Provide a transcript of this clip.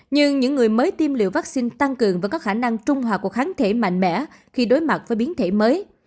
nhưng những người mới tiêm liệu vaccine tăng cường vẫn có khả năng trung hòa kháng thể mạnh mẽ khi đối mặt với biến thể mới